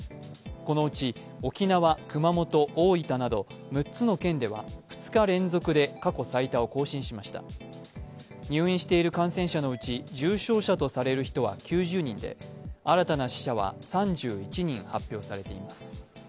このうち沖縄、熊本、大分など６つの県では２日連続で過去最多を更新しました入院している感染者のうち重症者とされる人は９０人で新たな死者は３１人発表されています。